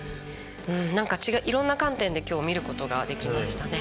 何かいろんな観点で今日は見ることができましたね。